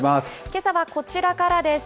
けさはこちらからです。